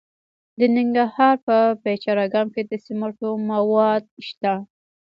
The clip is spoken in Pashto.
د ننګرهار په پچیر اګام کې د سمنټو مواد شته.